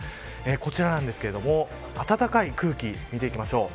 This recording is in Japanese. こちらなんですけど暖かい空気を見ていきましょう。